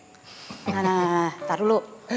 nah ntar dulu